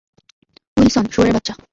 Wilson, শুয়োরের বাচ্চা!